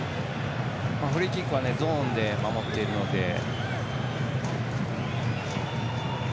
フリーキックはゾーンで守っています。